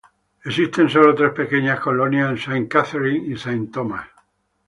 Existen solo tres pequeñas colonias en Saint Catherine y Saint Thomas.